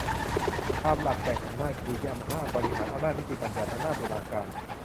ตามหลักแบ่งแยกอำนาจคือ อำนาจบริหาร อำนาจนิติบัญญัติ อำนาจตุลาการ